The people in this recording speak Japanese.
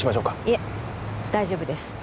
いえ大丈夫です